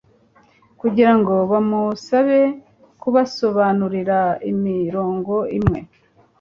kugira ngo bamusabe kubasobanurira imirongo imwe